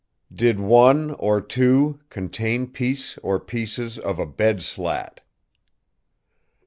Did one, or two, contain piece or pieces of a bed slat?